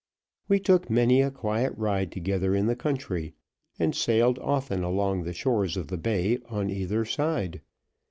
We took many a quiet ride together in the country, and sailed often along the shores of the Bay on either side.